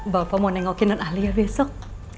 bapak mau liat non alia besok